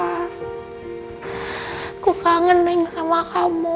aku kangen dengan sama kamu